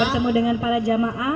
bertemu dengan para jamaah